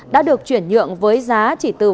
đã được chuyển nhượng với giá chỉ từ một tỷ đồng